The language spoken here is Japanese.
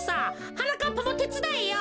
はなかっぱもてつだえよ。